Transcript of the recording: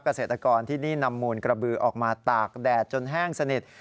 เกษตรกรที่นี่นำมูลกระบือออกมาตากแดดจนแห้งสนิท